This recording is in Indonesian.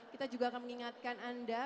kita juga akan mengingatkan anda